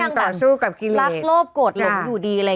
ยังกลับหลับโลปโกรธหลบอยู่ดี